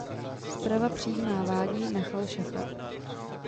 Zprava přijímá vádí Nachal Šachar.